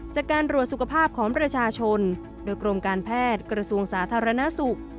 จากการตรวจสุขภาพของประชาชนโดยกรมการแพทย์กระทรวงสาธารณสุข